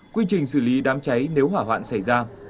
quy trình xử lý đám cháy nếu hỏa hoạn xảy ra